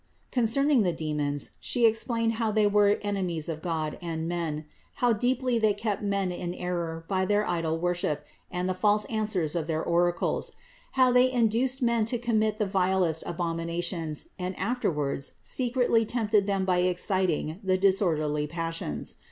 667. Concerning the demons, She explained how they were enemies of God and men; how deeply they kept men in error by their idol worship and the false answers of their oracles; how they induced men to commit the vilest abominations and afterwards secretly tempted them by exciting the disorderly passions.